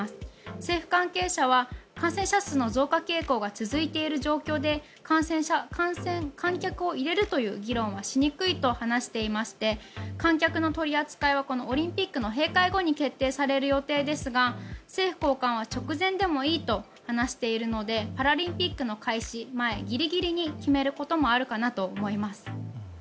政府関係者は、感染者数の増加傾向が続いている状況で観客を入れるという議論はしにくいと話していまして観客の取り扱いはオリンピックの閉会後に決定される予定ですが政府高官は直前でもいいと話しているのでパラリンピックの開始前ギリギリに決めることもあるかなと思います。